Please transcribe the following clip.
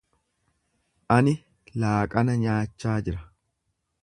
Ani laaqana nyaachaa jira.